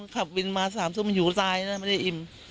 ขับบินมาสามศุกร์มันหยูตายนะไม่ได้อิ่ม